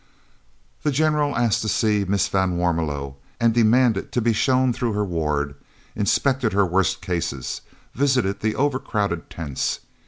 The General asked to see Miss van Warmelo and demanded to be shown through her ward, inspected her worst cases, visited the overcrowded tents.